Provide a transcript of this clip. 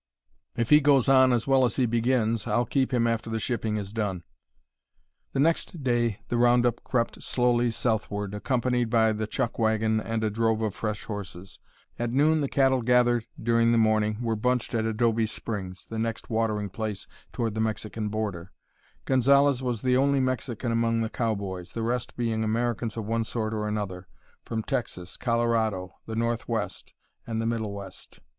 "If he goes on as well as he begins I'll keep him after the shipping is done." The next day the round up crept slowly southward, accompanied by the chuck wagon and a drove of fresh horses. At noon the cattle gathered during the morning were bunched at Adobe Springs, the next watering place toward the Mexican border. Gonzalez was the only Mexican among the cowboys, the rest being Americans of one sort or another from Texas, Colorado, the Northwest, and the Middle West.